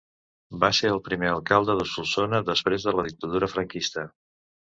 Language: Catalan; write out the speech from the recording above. Va ser el primer alcalde de Solsona després de la Dictadura franquista.